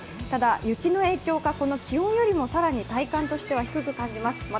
ただ、雪の影響か気温よりも体感では低く感じます。